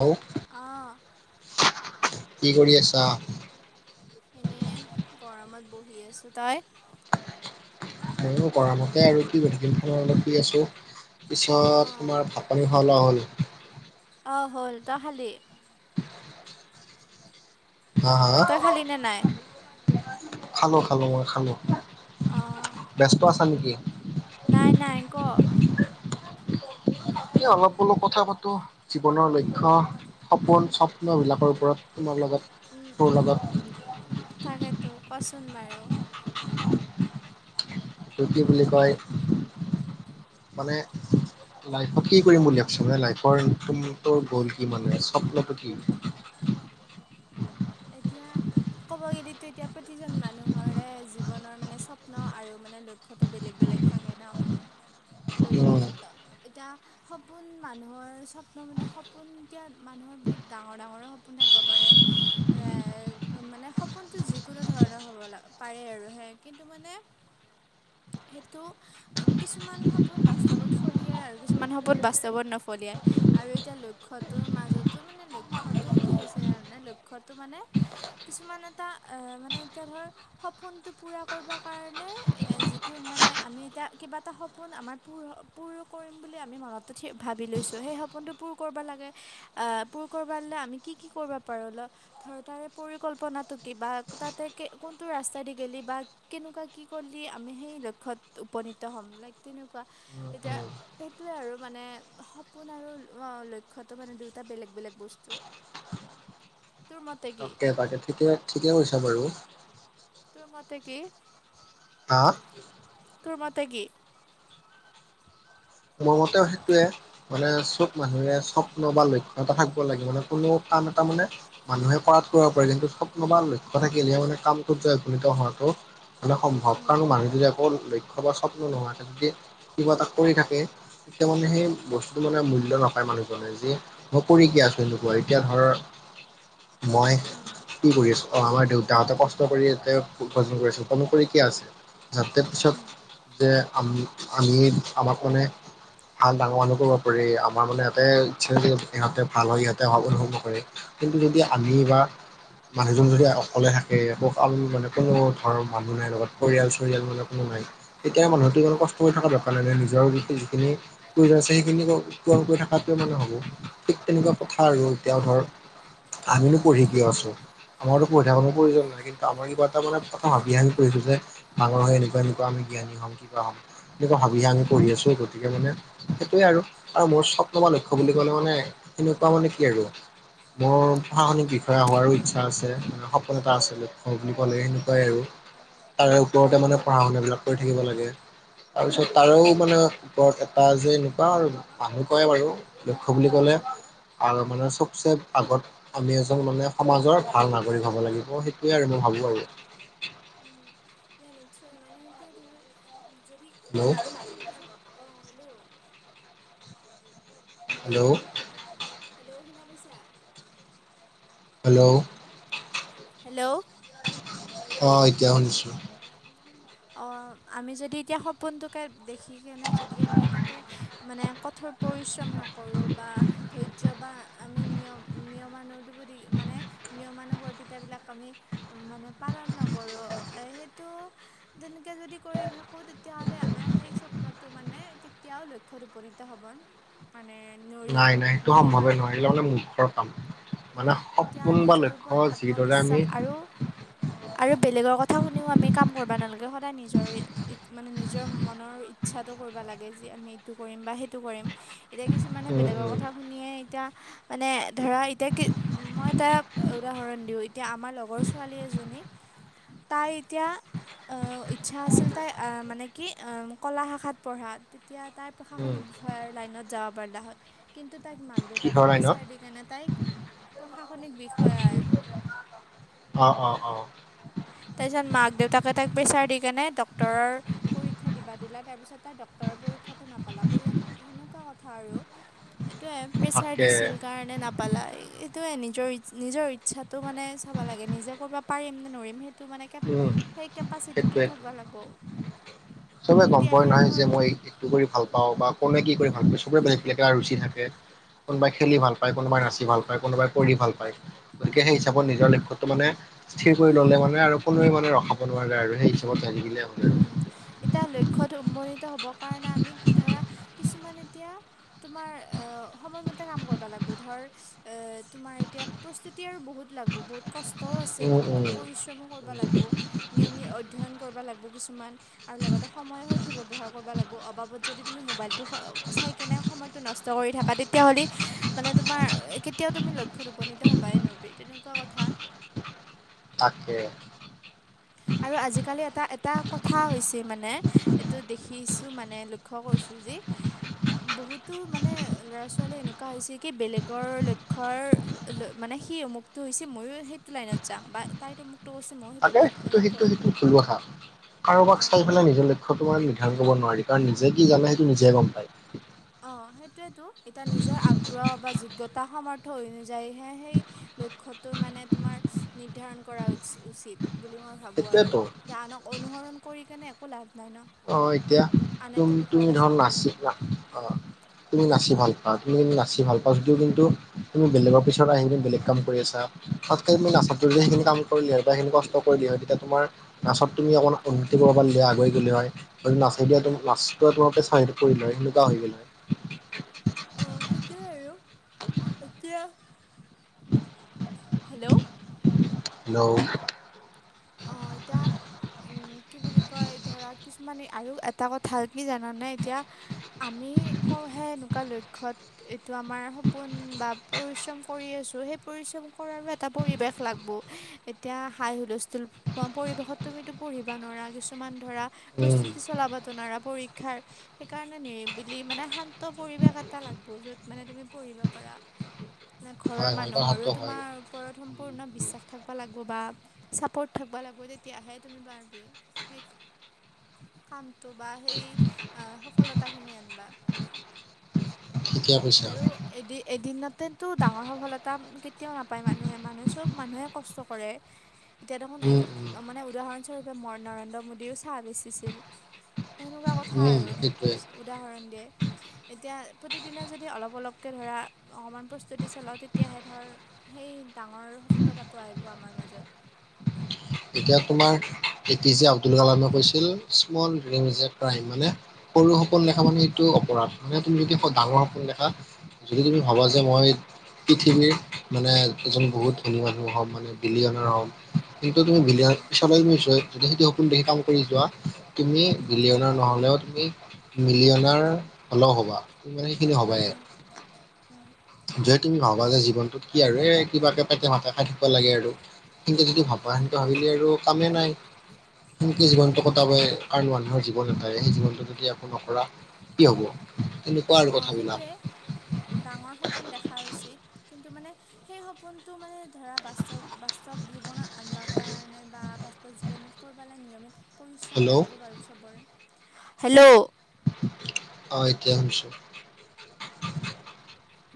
Hello আহ কি কৰি আছা এনেই গৰমত বহি আছোঁ তাই ম কৰা মতে আৰু কি মেডিকেলখনৰ অলপ দি আছো তাৰ পিছত অঁ তোমাৰ ভাত পানী খোৱা লোৱা হ'ল অঁ হল ত খালি হা হা তই খালি নে নাই খালো খালো মই খালো অঁ ব্যস্ত আছা নেকি নাই নাই ক এতিয়া অলপ অলপ কথা পাতোঁ জীৱনৰ লক্ষ্য সপোন স্বপ্নবিলাকৰ ওপৰত তোমাৰ উম লগত তোৰ উম লগত তাকেতো কচোন বাৰো জুতি বুলি কয় মানে লাইফক কি কৰিম উলিয়াবছ মানে লাইফৰ গ'ল কি মানে স্বপ্নটো কি উম এতিয়া ক'ব গ'লেো এতিয়া প্ৰতিজন মানুহৰে জীৱনৰ মানে স্বপ্ন আৰু মানে লক্ষ্যটো বেলেগ বেলেগ থাকে ন অ লক্ষ্য এতিয়া সপোন মানুহৰ স্বপ্ন মানে সপোন এতিয়া মানুহৰ বহুত ডাঙৰ ডাঙৰ সপোন কো থাকিব পাৰে [inaudible] মানে সপোনটো যিকোনো ধৰণৰ হ'ব পাৰে আৰু সে কিন্তু মানে উ সেইটো কিছুমান সপোন বাস্তৱত ফলিয়াই আৰু কিছুমান সপোন বাস্তৱত নফলিয়াই আৰু এতিয়া লক্ষ্যটোৰ মাজতো মানে লক্ষ্যতটোও কি হৈছে তাৰানে লক্ষ্য টো মানে কিছুমান এটা আহ মানে এতিয়া ধৰ সপোনটো পুৰা কৰিব কাৰণে যিটো মানে আমি এতিয়া কিবা এটা সপোন আমাৰ প পূৰ কৰিম বুলি আমি মনতো থাক ভাবি লৈছোঁ সেই সপোনটো পূৰ কৰিব লাগে পূৰ কৰিব লে আমি কি কি কৰিব পাৰোঁ অল ধ তাৰে পৰিকল্পনাটো কি বা তাতে কোনটো ৰাস্তাই দি গেলি বা কেনেকুৱা কি কৰি আমি সেই লক্ষ্যত উপনীত হ'ম লাইক তেনেকুৱা উম এতিয়া উম সেইটোৱে আৰু মানে সপোন আৰু লক্ষ্যতো মানে দুয়টা বেলেগ বেলেগ বস্তু [inaudible] তোৰ মতে কি তাকে তাকে ঠিকে ঠিকে কৈছা বাৰু তোৰ মতে কি হ টোৰ মতে কি মোৰ মতেও সেইটোয়ে মানে চব মানুহে স্বপ্ন বা লক্ষ্যতা থাকিব লাগে মানে কোনো ক এটা মানে মানুহে কৰাত কৰিব পাৰে কিন্তু স্বপ্ন বা লক্ষ্য থাকিলেহে মানে কামটোত জয়নিত হোৱাটো মানে সম্ভৱ কাৰণো মানুহ যদি আকৌ লক্ষ্য বা স্বপ্ন নোহোৱাক যদি কিবা এটা কৰি থাকে। এতিয়া মানে সেই বস্তুটো মানে মূল্য নাপায়, মানুহজনে যি কৰি গছ কিন্তু কোৱা এতিয়া ধৰ মই উম কি কৰি আছো অ আমাৰ দেউতাহঁতে কষ্ট কৰি ইতে ভ কৰিছিল ক কৰি কিয় আছে যতে পিছত যে আ আমি আমাক মানে ভাল ডাঙৰ মানুহ কৰিব পাৰি আমাৰ মানে এটা ইচ্ছা ইহঁতে ভাল হয় ইহঁতে [unintelligible] কিন্তু যদি আমি বা মানুহজন যদি অকলে থাকে অ', মানে কোনো ধৰৰ মানুহ নাই লগত পৰিয়াল চৰিয়াল মানে কোনো তেতিয়া মানুহতো কষ্ট কৰি থকা বেপাৰ নে নিজৰ সি [unintelligible] প্ৰয়োজনছে সেইখিনিৎ পৰণ কৰি থকাৱে মানে হ'ব ঠিক তেনেকুৱা কথা আৰু এতিয়াও ধৰ। আমিনো পঢ়িক আছো আমাৰোপঢ়ি থাকা প্ৰয়োজন নাই কিন্তু আমাৰ কিবা এটা মানে প্ৰম ভাবি আ যে ডাৰ হৈ এনেুৱা এনেকুৱা আমি [unintelligible] আমি উম কৰি আছো গতিকে মানে সেইটোৱে আৰু মোৰ স্বপ্ন বা লক্ষ্য বুলি ক'লে মানে এনেকুৱা মানে কি আৰু মোৰ প্ৰশাসনিক বিষয়া হোৱাৰো ইচ্ছা আছে মানে সপোন এটা আছে লক্ষ্য বুলি ক'লে সেনেকুৱাই আৰু তাৰে ওপৰতে মানে পঢ়া শুনা বিলাক কৰি থাকিব লাগে তাৰপিছত তাৰেও মানে ওপৰত এটা যে এনেকুৱা আৰু মানুহ কয় বাৰু লক্ষ্য বুলি কলে আৰু মানে চবচে আগত আমি এজন মানে সমাজৰ ভাল নাগৰিক হব লাগিব সেইটোয়ে আৰু ম ভাবো আৰু। নিশ্চয় মানে এতিয়া ধৰ যদি এাৰ হেল্ল' সপোন চব অ', হ'লেও হেল্ল'। হেল্ল' শুনা পাইছা হেল্ল'। হেল্ল'। অ', এতিয়া শুনিছো অ', আমি যদি এতিয়া সপোনটোকে দেখি কেনে যদি আমি তাতে মানে কঠোৰ পৰিশ্ৰম নকৰোঁ বা ধৈ জ বা আমি নিয়ম নিয়মানুপতি মানে নিয়মান ৰ তেতিয়া বিলাক আমি মানে পালন নকৰো এ সেইটো তেনেকৈ যদি কৰি থাকোঁ তেতিয়াহ'লে আমাৰ সেই স্বপনটো মানে কেতিয়াও লক্ষ্যত উপনীত হ'ব মানে নোৱাৰি নাই, নাই সেইটো নোৱাৰিম সম্ভৱে নহয় মানে আৰু মূৰ্খৰ কাম মানে এতিয়া সপোন বা নিজৰ ওপৰত লক্ষ্য যিদৰে আত্মবিশ্বাস আমি আৰু আৰু বেলেগৰ কথা শুনিও আমি কাম কৰিবা নালাগে সদায় নিজৰ মানে নিজৰ মনৰ ইচ্ছাটো কৰিব লাগে যে আমি এইটো কৰিম বা সেইটো কৰিম এতিয়া কিছুমানে উম বেলেগৰ উম কথা শুনিয়ে এতিয়া মানে ধৰা এতিয়া কি মই তাক উদাহৰণ দিওঁ এতিয়া আমাৰ লগৰ ছোৱালী এজনী তাই এতিয়া আহ ইচ্ছা আছিল তাই আহ মানে কি কলা শাখাত পঢ়া তেতিয়া তাই উম প্ৰশাসনিক বিষয়ৰ লাইনত যাব পাৰিলে হয়। কিন্তু তাইক মাক দেউতাকে কিহৰ লাইনত প্ৰেছাৰ দিকেনে তাইক প্ৰশাসনিক বিষয়াৰ অ অ অ তাৰপিছত মাক দেউতাকে তাইক প্ৰেছাৰ দি কেনে ডক্টৰৰ পৰীক্ষা দিবা দিলা তাৰপিছত তাই তাৰ পৰীক্ষাটো নাপালে তেনেকুৱা কথা আৰু এইটোৱে প্ৰেছাৰ তাকে দিছিল কাৰণে নাপালা এইটোৱে নিজৰ নিজৰ ইচ্ছাত ত মানে চাব লাগে নিজে কৰিব পাৰম নে নৰিম সেই তো মানে কে উম সেই কেপাচিটিটোও সেইটোৱেটো থাকিব লাগিব। চবে গম পোৱাই তেতিয়াহে নহয় যে ধৰ মই একটো কৰি ভাল পাওঁ বা কোনে কি কৰি চবৰে বেলেগ বেলেগ ৰুচি থাকে কোনোবাই খেলি ভাল পায় কোনোবাই নাচি ভাল পায় কোনোবাই কৰি ভাল পায় গতিকে সেই হিচাপত নিজৰ লক্ষ্যটো মানে স্থিৰ কৰি ল'লে মানে আৰু কোনোৱে মানে ৰখাব নোৱাৰে আৰু সেই হিচাপত যাই থাকিলে হ'ল আৰু উম এতিয়া লক্ষ্যত উপনিত হ'বৰ কাৰণে আমি ধৰা কিছুমান এতিয়া তোমাৰ সময়মতে কাম কৰিব লাগে বোধৰ তোমাৰ এতিয়া প্ৰস্তুতি আৰু বহুত লাগব বহুত কষ্টও আছে উম বহুত উম পৰিশ্ৰমো কৰিব উম লাগিব নিয়মিত অধ্যয়ন কৰিব লাগিব কিছুমান আৰু লগতে সময়ো সঠিক ব্যৱহাৰ কৰিব লাগিব অবাবত যদি তুমি মোবাইলটো চাই কেনে সময়টো নষ্ট কৰি থাকা তেতিয়াহ'লে মানে তোমাৰ কেতিয়াও তুমি লক্ষ্যত উপনীত হবাই নোৱাৰিবা তেনেকুৱা কথা তাকে আৰু আজিকালি এটা এটা কথা হৈছে মানে এইটো দেখিছোঁ মানে লক্ষ্য কৰিছোঁ যি [inaudible] বহুতো মানে ল'ৰা ছোৱালী এনেকুৱা হৈছে কি বেলেগৰ লক্ষ্য মানে সেই অমুকটো হৈছে ময়ো সেইটো লাইনত যাম বা তাইত অমুকটো কৰিছে মইয়ো সেইটো তাকে সেইটো সেইটো কৰিম সেইটো ভুল কথা কাৰোবাক অঁ চাই পেলাই নিজলৈ লক্ষ্যটো নিৰ্ধাৰণ কৰিব নোৱাৰি কাৰণ নিজে কি জানে সেইটো নিজে গম পায় অ সেইটোৱেতো এতিয়া নিজৰ আগ্ৰহ বা যোগ্যতা সৰ্থ যাইহে সেই লক্ষ্যটো মানে তোমাৰ নিৰ্ধাৰণ কৰা উচ উচিত বুলি মই ভাবোঁ আৰু সেইটোৱেতো যে আনক অনুসৰণ কৰি কেনে একো লাভ নাই ন আহ এতিয়া আনেতো তুমি তুমি নোখোৱাৰ ধৰা পিছত নাচিবা অ তুমি নাচি ভাল পোৱা তুমি কিন্তু নাচি ভাল পোৱা যদিও কিন্তু তুমি বেলেগৰ পিছত আহি বেলেগ কাম কৰি আছা তাতকে তুমি নাচতটো যদি সেইখিনি কাম কৰিলে হয় বা সেইখিন কষ্ট কৰিলে হয় তেতিয়া তোমাৰ নাচত তুমি অকণমান উন্নতি কৰালে আগুৱ গলে হয় যদি নাচ দিয়া নাচ তোমাৰ পেচনটো কৰি লয় তেনেকুৱা হৈ গেলাই অঁ সেইটোৱে আৰু এতিয়া [inaudible] হেল্ল' হেল্ল অঁ এতিয়া কি বুলি কয় ধৰা কিছুমানে আৰু এটা কথা কি জানানে এতিয়া আমি কঁও সে এনেকুৱা লক্ষ্যত এইটো আমাৰ সপোন বা পৰিশ্ৰম কৰি আছো সেই পৰিশ্ৰম কৰ এটা পৰিবেশ লাগিব এতিয়া হাই হুলস্থ পৰিৱেশত তুমিতো পঢ়িবা নোৱাৰা কিছুমান ধৰা উম প্ৰস্তুতি চলাবাতো নোৱাৰা শিক্ষাৰ সেইকাৰণে নিৰিবিলি মানে শান্ত পৰিৱেশ এটা লাগিব য'ত মানে তুমি পঢ়িব পাৰা [inaudible] [unintelligible] ঘৰৰ হয় হয় মানুহৰো কথাটো হয় তোমাৰ ওপৰত সম্পূৰ্ণ বিশ্বাস থাকিবা লাগিব বা চাপৰ্ট থাকিব লাগিব তেতিয়াহে তুমি পাৰিবি সেই কাম বা সেই সফলতা খিনি আনিবা থিকে আৰু এদিন এদিনতেতো ডাঙৰ সফলতা কেতিয়াও নাপায়। মানুহে-মানুহে চব মানুহে [unintelligible] এতিয়া দেখ উম উম মে উৰণ স্বৰূপে ম নৰেন্দ্ৰ মোদীয়েও চাহ বেচিছিল সেনেকুৱা কথা উম আৰু সেইটোৱে উদাহৰণ দিয়ে এতিয়া প্ৰতিদিনা যদি অলপ অলপ ক ধৰা অকণমান প্ৰস্তুতি চলাওঁ তেতিয়াহে ধৰ সেই ডাঙৰ আৰু সফলতাটো আহিব আমাৰ মাজত এতিয়া তোমাৰ এ পি জে আব্দুল কালামে কৈছিল। স্মল ক্ৰম মানে সৰু সকল লখা মানে এইটো অপৰাধ মানে তুমি যদি ডাঙৰ সপোননি দেখা যদি তুমি ভাবা যে মই পৃথিৱীৰ মানে এজন বহুত ধনী মানুহ হম মানে বিলিয়নাৰ হম সেই তুমি বিলিয়নৰ পিছ তুমি য যদি সেইটো সপোন দেখি কাম কৰি যোৱা তুমি বিলিয়নৰ নহলেও তুমি মিলিয়নাৰ হ'লেও হ'বা তুমি মানে এইখিনি হ'বায়ে অঁ যদি তুমি ভবা যে জীৱনটোত কি আৰু এই কিবাকে পেটে মাতে খাই থাকিব লাগে আৰু। কিন্তু যদি ভাবা সেনটো ভাবিলি আৰু কামেই নাই। সেনেকে জীৱনটো কটাব কাৰ মানুহৰ জীৱন নটায় সেই জীৱনটো যদি একো নকৰা কি হ'ব তেনেকুৱা আৰু অ', কথাবিলাক সেইটোৱে ডাঙৰ সপোন দেখা উচিত কিন্তু মানে সেই সপোনটো মানে ধৰা বাস্তৱ বাস্তৱ জীৱনত আনিব কাৰণে বা জীৱনত কৰিবালৈ নিয়মিত পৰিশ্ৰম হেল্ল' লাগব বাৰু চবৰে হেল্ল', অ, এতিয়া আহিছো।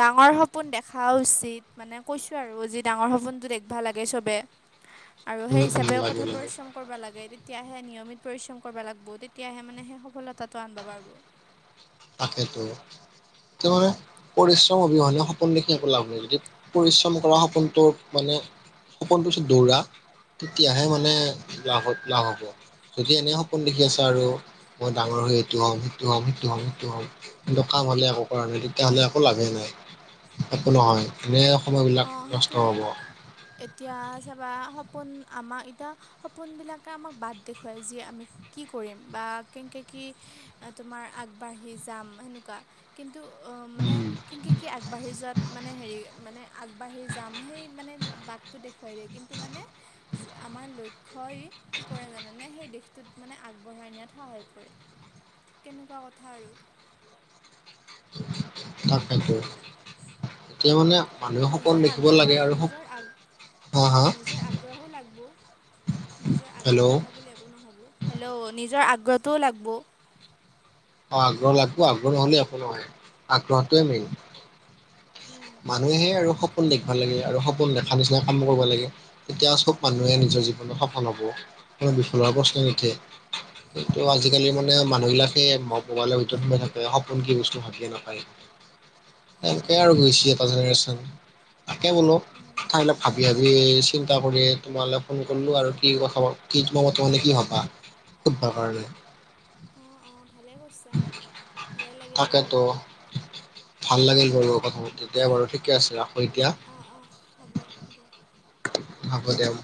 ডাঙৰ সপোন দেখা উচিত মানে কৈছো আৰু আজি ডাঙৰ সপোনতটো দেখিবা লাগে চবে [inaudible] আৰু সেই উম হিচাপেও কথ লাগে লাগে পৰিশ্ৰম কৰিব লাগে। তেতিয়াহে নিয়মিত পৰিশ্ৰম কৰিব লাগিব। তেতিয়াহে মানে সেই সফলতাটো আনব পাৰিব। তাকেতো তোৰ পৰি অবিহনে সপোন দেখি একো লাভ হয়। যদি পৰিশ্ৰম কৰা সপোনটো মানে সপোনটো পিত দৌৰা তেতিয়াহে মানে অঁ য হ লাভ হ'ব যদি এনে সপোন দেখি আছে আৰু মই ডাঙৰ হৈ এইটো হ'ম সেইটো হ'ম সেইটো হ'ম কিন্তু কাম হলে একো কৰা নাই তেতিয়া হ'লে একো লাভে নাই একো নহয় এনে সময়বিলাক অ', নষ্ট সেইটয়ে হ'ব এতিয়া চাবা সপোন আমাক এতিয়া সপোনবিলাকে আমাক বাদ দেখুৱায় যে আমি কি কৰিম বা কেনেকে কি তোমাৰ আগবাঢ়ি যাম সনেকুৱা কি? টো অ মানে উম কিন কি-কি আগবাঢ়ি যোৱাত মানে হেৰি মানে আগবাঢ়ি যাম সেই মানে বাটটো দেখুৱাই দিয়ে। কিন্তু মানে আমাৰ লক্ষ্যই কি কৰে জানোনে সেই দেশটোত মানে আগবঢ়াই নিয়াত সহায় কৰে। ঠিক তেনেকুৱা কথা আৰু [inaudible] তাক সেইতো এতিয়া মানে মানুহে সপোন নিজৰ দেখিব লাগে আগ্ৰহৰ আৰু সপ হা নিজৰগ হা অ' নিজৰ আগ্ৰহো লাগিব। নিজৰ হেল্ল' আগ্ৰহ নাথাকিলে একো নহ'ব হেল্ল' নিজৰ আগ্ৰহটোও লাগিব। অ', আগ্ৰহ লাগিব আগ্ৰহহ'লে একো নহয়। আগ্ৰহটোৱে মেইন উম, মানুহে আৰু সপোন দেখিবা লাগে আৰু সপোন দেখা নিচিনা কাম কৰিব লাগে। তেতিয়া চব মানুহে নিজৰ সল হব বিফলৰ প্ৰশ্ন উম, নঠে সটো আজিকালি মানে মানুহবিলাক স ম পলৰ ভিতৰত সোমে থাকে সপোন কি বস্তু ভাবিয়ে নাপায়। তেনেকে আৰু তাকে গৈছ এটা জেনেৰেশ্যন তাকে বোলো উম, খাইিল ভাবি-ভাবি চিন্তা কৰি তোমালৈ ফোন কৰিলো আৰু কি কথা কিম তে কি হবা খু ভাহৰলৈ আহ অ ভালে কৈছা ভালে লাগিল কথা তাকেতো পাতি ভাল লাগেিল বল কথা তেতিয়াাই বাৰু ঠিকে আছে ৰাখো উম, এতিয়া অ', অ', হ'ব দে। বাম